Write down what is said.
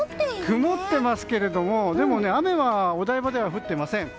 曇ってますけどもでも雨はお台場では降っていません。